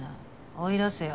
追い出せよ。